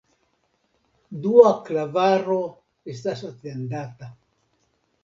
Dua klavaro estas atendata.